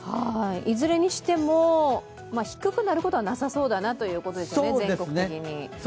いずれにしても、低くなることはなさそうですよね、全国的に。